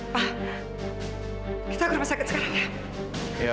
pak bisa ke rumah sakit sekarang ya